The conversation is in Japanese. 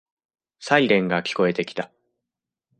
サイレンが聞こえてきた。